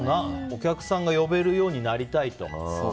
お客さんが呼べるようになりたいと。